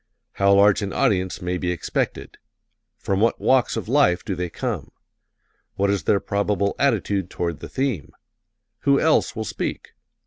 How large an audience may be expected? From what walks of life do they come? What is their probable attitude toward the theme? Who else will speak?